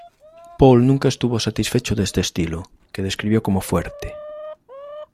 Paul nunca estuvo satisfecho de este estilo, que describió como "fuerte".